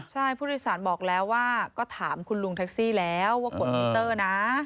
ใช่ผู้โดยสารบอกแล้วว่าก็ถามคุณลุงแท็กซี่แล้วว่ากดมิเตอร์นะ